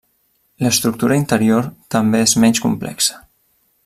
L'estructura interior també és menys complexa.